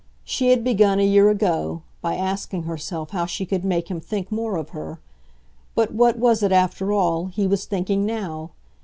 She had begun, a year ago, by asking herself how she could make him think more of her; but what was it, after all, he was thinking now?